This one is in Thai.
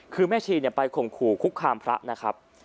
คือแม่ชีไปข่มขู่คุกคามพระนะครับ